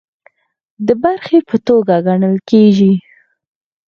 د برخې په توګه ګڼل کیږي